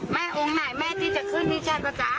แม่อุ้งไหนแม่ที่จะขึ้นดีเจ๊เจ้าตา